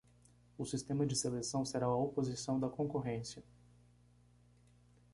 O sistema de seleção será a oposição da concorrência.